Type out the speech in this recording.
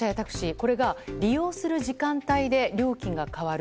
これが利用する時間帯で料金が変わる。